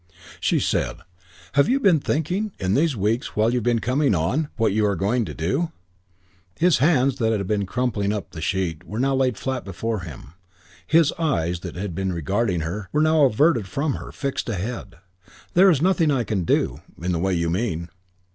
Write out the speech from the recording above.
She said, "Have you been thinking, in these weeks, while you've been coming on, what you are going to do?" His hands, that had been crumpling up the sheet, were now laid flat before him. His eyes, that had been regarding her, were now averted from her, fixed ahead. "There is nothing I can do, in the way you mean."